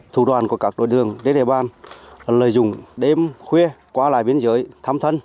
thủ đoàn của các đối đường đến địa bàn lợi dụng đêm khuya qua lại biên giới thăm thân